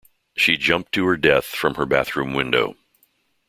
She jumped to her death from her bathroom window.